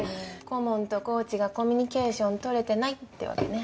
顧問とコーチがコミュニケーション取れてないってわけね。